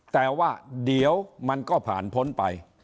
แต่ว่าเดี๋ยวมันก็ผ่านพ้นไป